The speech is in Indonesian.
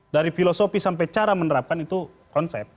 dari filosofi sampai cara menerapkan itu konsep